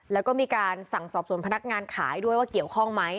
แล้วก็มีการสั่งสอบส่วนพนักงานขายด้วยว่าเกี่ยวข้องไหม